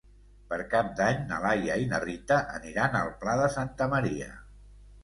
Per Cap d'Any na Laia i na Rita aniran al Pla de Santa Maria.